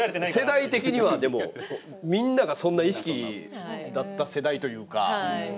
世代的にはでもみんながそんな意識だった世代というか。